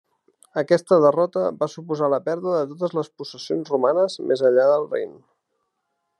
Aquesta derrota va suposar la pèrdua de totes les possessions romanes més enllà del Rin.